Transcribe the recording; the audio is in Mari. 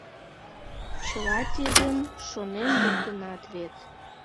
Чыла тидым шонен луктынат вет?